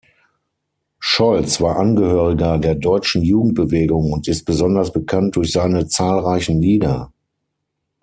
Scholz war Angehöriger der deutschen Jugendbewegung und ist besonders bekannt durch seine zahlreichen Lieder.